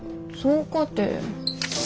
そうかて。